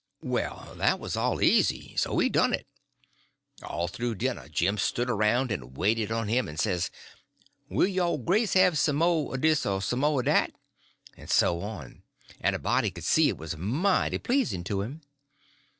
Well, that was all easy, so we done it. All through dinner Jim stood around and waited on him, and says, "Will yo' Grace have some o' dis or some o' dat?" and so on, and a body could see it was mighty pleasing to him.